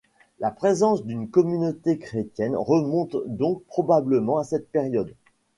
La présence d'une communauté chrétienne remonte donc probablement à cette période.